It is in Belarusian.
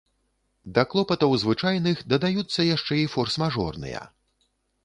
Да клопатаў звычайных дадаюцца яшчэ і форс-мажорныя.